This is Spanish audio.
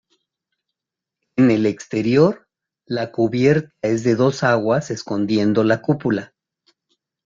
En el exterior la cubierta es de dos aguas, escondiendo la cúpula.